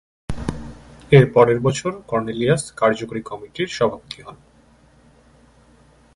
এরপরের বছর কর্নেলিয়াস কার্যকরী কমিটির সভাপতি হন।